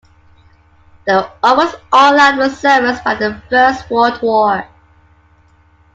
They were almost all out of service by the First World War.